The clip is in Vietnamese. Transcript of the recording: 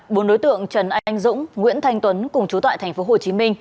bốn đối tượng trần anh dũng nguyễn thanh tuấn cùng chú tại tp hcm